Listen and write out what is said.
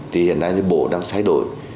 thì hiện nay bộ đang thay đổi